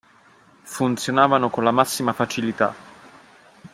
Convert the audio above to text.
Funzionavano con la massima facilità